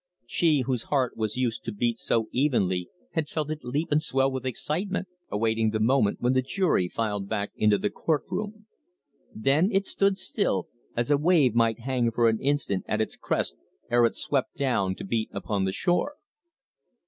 She whose heart was used to beat so evenly had felt it leap and swell with excitement, awaiting the moment when the jury filed back into the court room. Then it stood still, as a wave might hang for an instant at its crest ere it swept down to beat upon the shore.